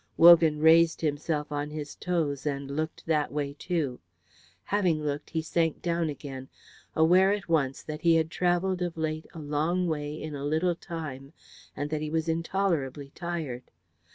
Wogan raised himself on his toes and looked that way too. Having looked he sank down again, aware at once that he had travelled of late a long way in a little time, and that he was intolerably tired.